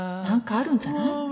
何かあるんじゃない？